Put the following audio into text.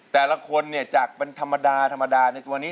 แต่ละคนเนี่ยจากเป็นธรรมดาธรรมดาในตัวนี้